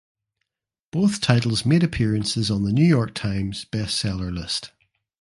Both titles made appearances on the "New York Times" Best Seller list.